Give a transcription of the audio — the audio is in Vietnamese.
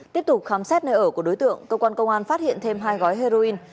tiếp tục khám xét nơi ở của đối tượng công an phát hiện thêm hai gói heroin